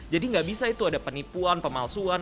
jadi nggak bisa itu ada penipuan pemalsuan